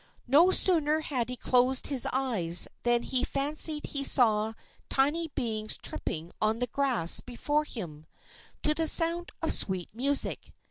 No sooner had he closed his eyes than he fancied he saw tiny beings tripping on the grass before him, to the sound of sweet music.